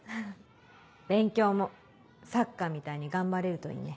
勉強もサッカーみたいに頑張れるといいね。